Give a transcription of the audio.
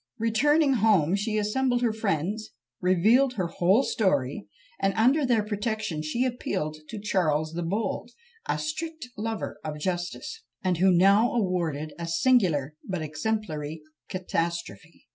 Returning home, she assembled her friends, revealed her whole story, and under their protection she appealed to Charles the Bold, a strict lover of justice, and who now awarded a singular but an exemplary catastrophe.